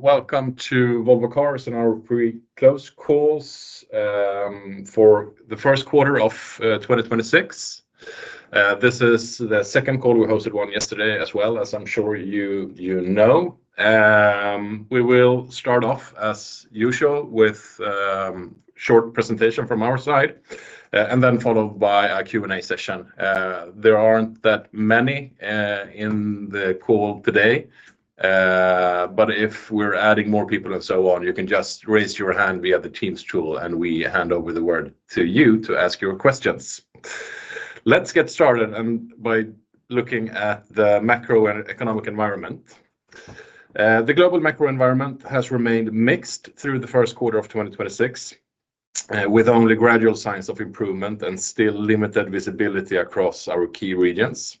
Welcome to Volvo Cars and our pre-close calls for the Q1 of 2026. This is the second call. We hosted one yesterday as well, as I'm sure you know. We will start off as usual with a short presentation from our side and then followed by a Q&A session. There aren't that many in the call today, but if we're adding more people and so on, you can just raise your hand via the Teams tool, and we'll hand over the word to you to ask your questions. Let's get started by looking at the macroeconomic environment. The global macro environment has remained mixed through the Q1 of 2026 with only gradual signs of improvement and still limited visibility across our key regions.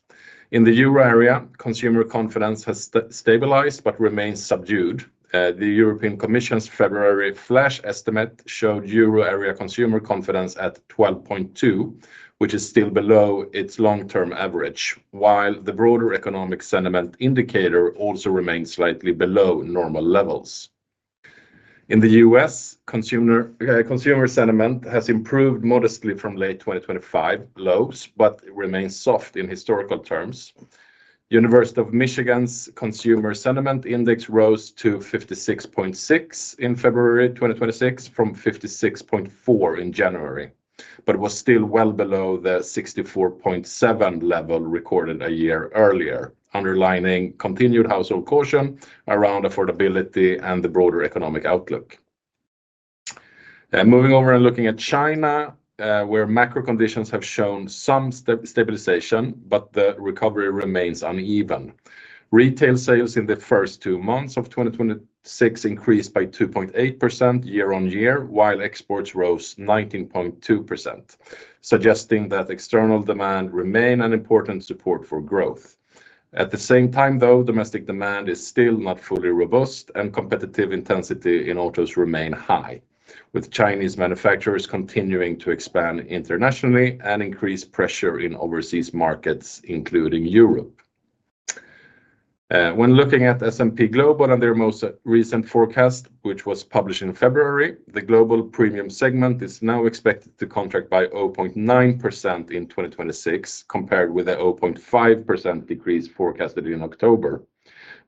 In the Euro area, consumer confidence has stabilized but remains subdued. The European Commission's February flash estimate showed Euro area consumer confidence at 12.2, which is still below its long-term average, while the broader economic sentiment indicator also remains slightly below normal levels. In the U.S., consumer sentiment has improved modestly from late 2025 lows but remains soft in historical terms. University of Michigan's Consumer Sentiment Index rose to 56.6 in February 2026 from 56.4 in January but was still well below the 64.7 level recorded a year earlier, underlining continued household caution around affordability and the broader economic outlook. Moving over and looking at China, where macro conditions have shown some stabilization, but the recovery remains uneven. Retail sales in the first two months of 2026 increased by 2.8% year-on-year, while exports rose 19.2%, suggesting that external demand remain an important support for growth. At the same time, though, domestic demand is still not fully robust, and competitive intensity in autos remains high, with Chinese manufacturers continuing to expand internationally and increase pressure in overseas markets, including Europe. When looking at S&P Global and their most recent forecast, which was published in February, the global premium segment is now expected to contract by 0.9% in 2026, compared with a 0.5% decrease forecasted in October.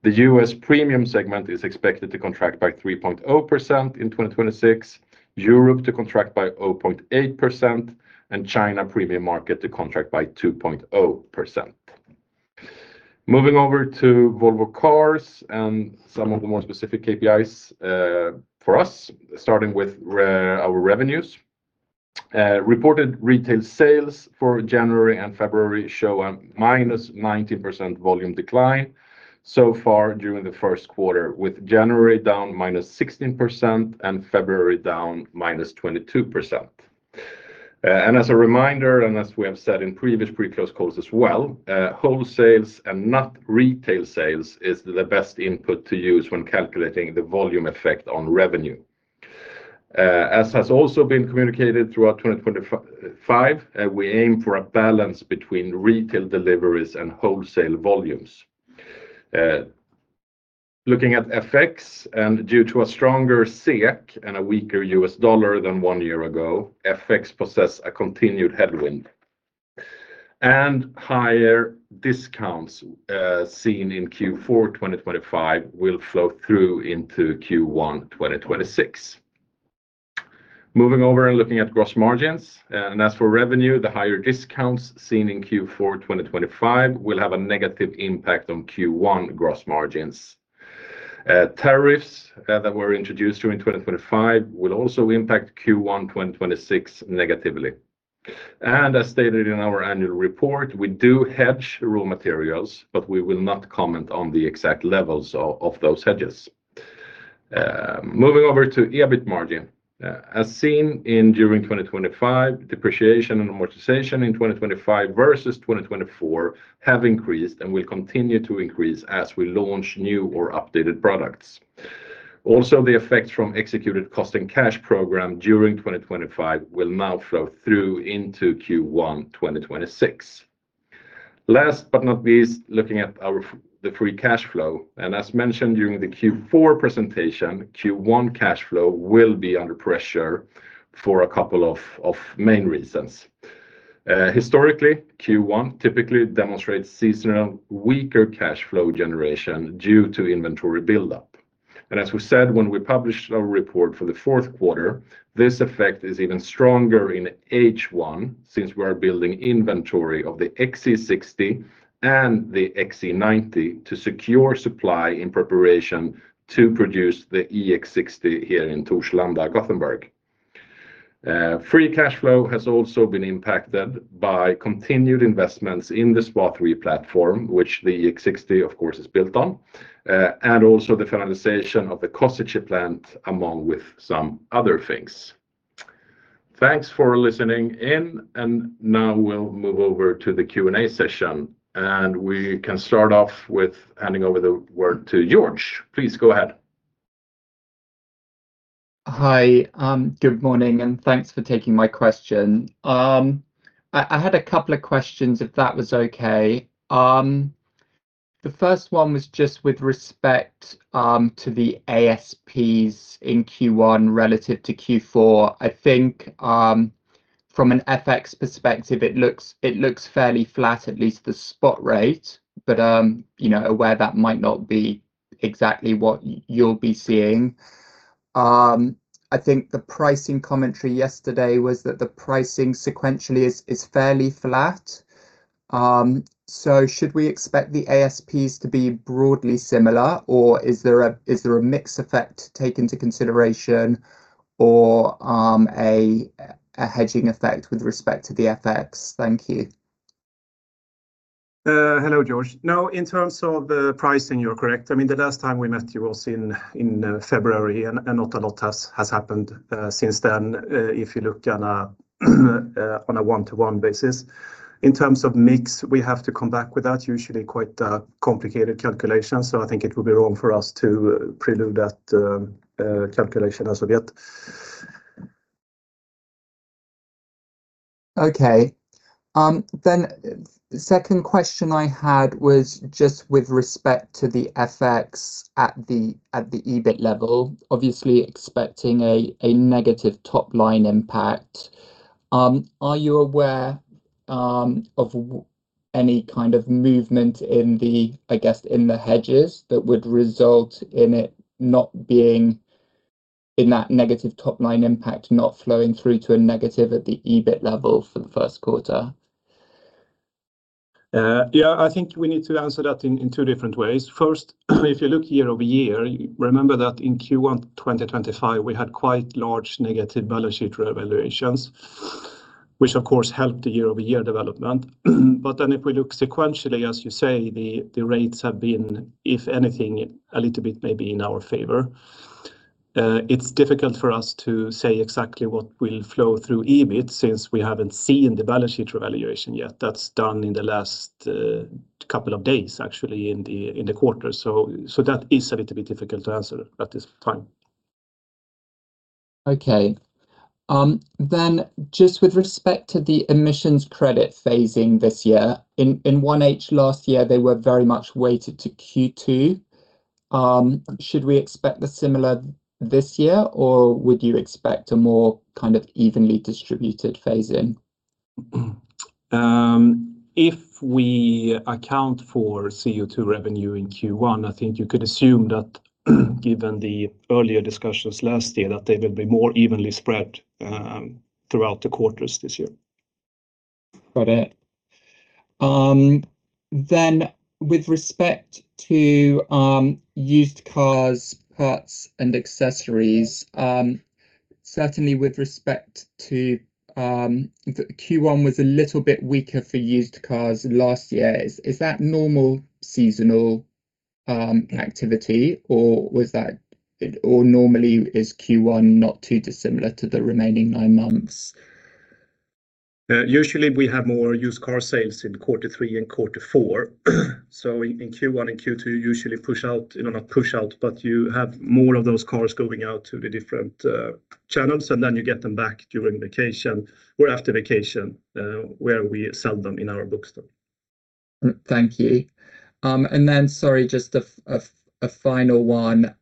The U.S. premium segment is expected to contract by 3.0% in 2026, Europe to contract by 0.8%, and China premium market to contract by 2.0%. Moving over to Volvo Cars and some of the more specific KPIs, for us, starting with our revenues. Reported retail sales for January and February show a -19% volume decline so far during the Q1, with January down -16% and February down -22%. As a reminder, as we have said in previous pre-close calls as well, wholesales and not retail sales is the best input to use when calculating the volume effect on revenue. As has also been communicated throughout 2025, we aim for a balance between retail deliveries and wholesale volumes. Looking at FX, due to a stronger SEK and a weaker U.S. dollar than one year ago, FX poses a continued headwind. Higher discounts seen in Q4 2025 will flow through into Q1 2026. Moving over and looking at gross margins. As for revenue, the higher discounts seen in Q4 2025 will have a negative impact on Q1 gross margins. Tariffs that were introduced during 2025 will also impact Q1 2026 negatively. As stated in our annual report, we do hedge raw materials, but we will not comment on the exact levels of those hedges. Moving over to EBIT margin. As seen during 2025, depreciation and amortization in 2025 versus 2024 have increased and will continue to increase as we launch new or updated products. Also, the effect from executed cost and cash program during 2025 will now flow through into Q1 2026. Last but not least, looking at the free cash flow. As mentioned during the Q4 presentation, Q1 cash flow will be under pressure for a couple of main reasons. Historically, Q1 typically demonstrates seasonally weaker cash flow generation due to inventory buildup. As we said when we published our report for Q4, this effect is even stronger in H1, since we are building inventory of the XC60 and the XC90 to secure supply in preparation to produce the EX60 here in Torslanda, Gothenburg. Free cash flow has also been impacted by continued investments in the SPA3 platform, which the EX60, of course, is built on, and also the finalization of the Košice plant, along with some other things. Thanks for listening in, and now we'll move over to the Q&A session. We can start off with handing over the word to George. Please go ahead. Hi. Good morning, and thanks for taking my question. I had a couple of questions, if that was okay. The first one was just with respect to the ASPs in Q1 relative to Q4. I think, from an FX perspective, it looks fairly flat, at least the spot rate. You know, aware that might not be exactly what you'll be seeing. I think the pricing commentary yesterday was that the pricing sequentially is fairly flat. Should we expect the ASPs to be broadly similar, or is there a mix effect to take into consideration or a hedging effect with respect to the FX? Thank you. Hello George. No, in terms of the pricing, you're correct. I mean, the last time we met, you were seeing in February and not a lot has happened since then, if you look on a one-to-one basis. In terms of mix, we have to come back with that, usually quite complicated calculations, so I think it would be wrong for us to preclude that calculation as of yet. Okay. Second question I had was just with respect to the FX at the EBIT level, obviously expecting a negative top-line impact. Are you aware of any kind of movement in the, I guess, in the hedges that would result in it not being in that negative top-line impact not flowing through to a negative at the EBIT level for the Q1? Yeah, I think we need to answer that in two different ways. First, if you look year-over-year, you remember that in Q1 2025, we had quite large negative balance sheet revaluations, which of course helped the year-over-year development. If we look sequentially, as you say, the rates have been, if anything, a little bit maybe in our favor. It's difficult for us to say exactly what will flow through EBIT since we haven't seen the balance sheet revaluation yet. That's done in the last couple of days, actually, in the quarter. That is a little bit difficult to answer at this time. Just with respect to the emissions credit phasing this year, in H1 last year, they were very much weighted to Q2. Should we expect a similar this year, or would you expect a more kind of evenly distributed phase in? If we account for CO2 revenue in Q1, I think you could assume that, given the earlier discussions last year, that they will be more evenly spread throughout the quarters this year. Got it. With respect to used cars, parts and accessories, certainly with respect to the Q1 was a little bit weaker for used cars last year. Is that normal seasonal activity or normally is Q1 not too dissimilar to the remaining nine months? Usually, we have more used car sales in Q3 and Q4. In Q1 and Q2, you usually push out, you know, not push out, but you have more of those cars going out to the different channels, and then you get them back during vacation or after vacation, where we sell them in our books. Thank you. Sorry, just a final one,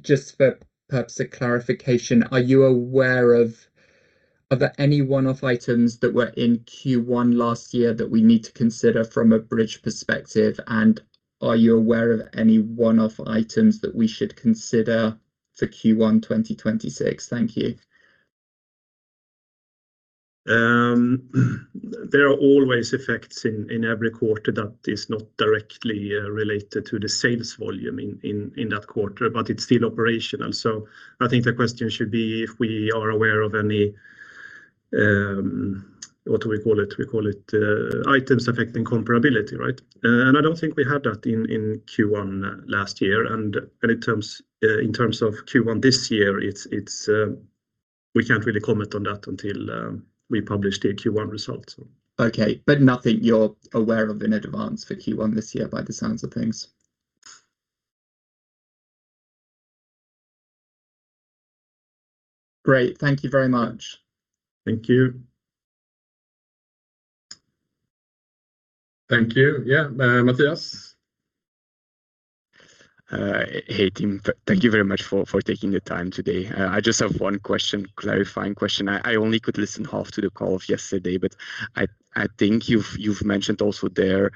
just for perhaps a clarification. Are you aware of any one-off items that were in Q1 last year that we need to consider from a bridge perspective, and are you aware of any one-off items that we should consider for Q1 2026? Thank you. There are always effects in every quarter that is not directly related to the sales volume in that quarter, but it's still operational. I think the question should be if we are aware of any, what do we call it? We call it items affecting comparability, right? I don't think we had that in Q1 last year. In terms of Q1 this year, it's we can't really comment on that until we publish the Q1 results. Okay. Nothing you're aware of in advance for Q1 this year by the sounds of things. Great. Thank you very much. Thank you. Thank you. Yeah. Matthias. Hey, team. Thank you very much for taking the time today. I just have one question, clarifying question. I only could listen half to the call yesterday, but I think you've mentioned also there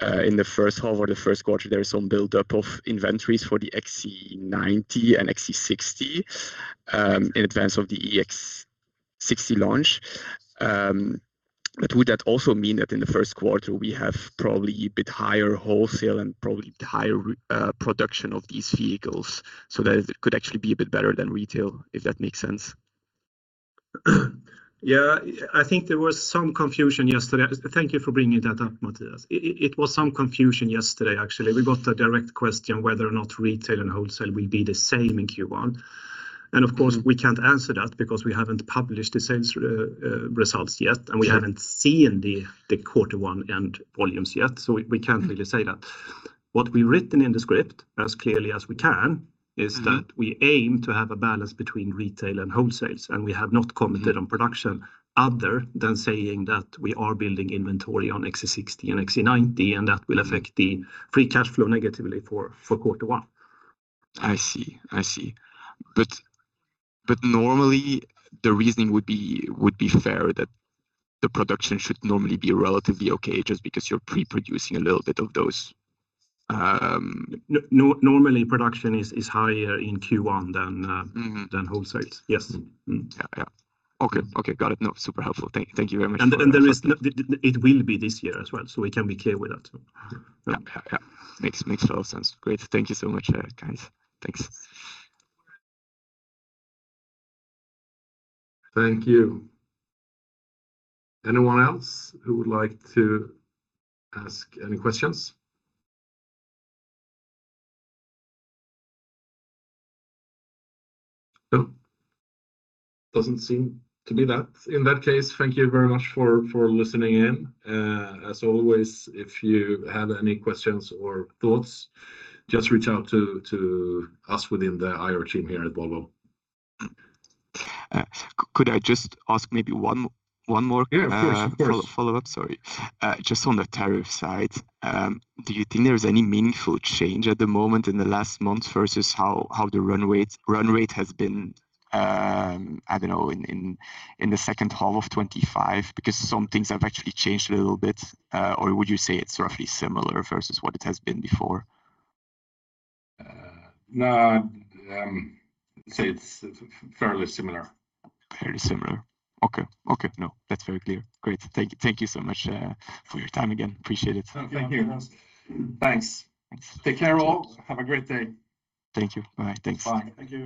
in the first half or the Q1, there is some buildup of inventories for the XC90 and XC60 in advance of the EX60 launch. Would that also mean that in the Q1 we have probably a bit higher wholesale and probably higher production of these vehicles so that it could actually be a bit better than retail, if that makes sense? Yeah. I think there was some confusion yesterday. Thank you for bringing that up, Matthias. It was some confusion yesterday, actually. We got a direct question whether or not retail and wholesale will be the same in Q1. Of course, we can't answer that because we haven't published the sales results yet. Sure. We haven't seen the Q1 end volumes yet, so we can't really say that. What we've written in the script as clearly as we can is that we aim to have a balance between retail and wholesale, and we have not commented on production other than saying that we are building inventory on XC60 and XC90, and that will affect the free cash flow negatively for Q1. I see. Normally, the reasoning would be fair that the production should normally be relatively okay just because you're pre-producing a little bit of those. No, normally production is higher in Q1 than. Mm-hmm than wholesales. Yes. Mm-hmm. Yeah. Okay. Got it. No, super helpful. Thank you very much. It will be this year as well, so we can be clear with that. Yeah. Makes a lot of sense. Great. Thank you so much, guys. Thanks. Thank you. Anyone else who would like to ask any questions? No. Doesn't seem to be that. In that case, thank you very much for listening in. As always, if you have any questions or thoughts, just reach out to us within the IR team here at Volvo. Could I just ask maybe one more- Yeah, of course. Of course. Sorry. Just on the tariff side, do you think there is any meaningful change at the moment in the last month versus how the run rate has been, I don't know, in the second half of 2025? Because some things have actually changed a little bit. Or would you say it's roughly similar versus what it has been before? No. I'd say it's fairly similar. Fairly similar. Okay. Okay. No, that's very clear. Great. Thank you. Thank you so much, for your time again. Appreciate it. Thank you. Thanks. Thanks. Take care all. Have a great day. Thank you. Bye. Thanks. Bye. Thank you.